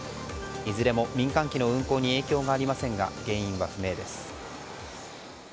いずれも民間機の運航に影響はありませんが原因は不明です。